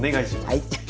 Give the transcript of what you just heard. はい。